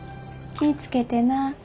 気ぃ付けてな。